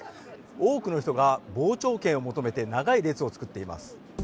多くの人が傍聴券を求めて長い列を作っています。